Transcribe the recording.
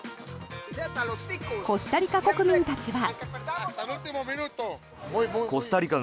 コスタリカ国民たちは。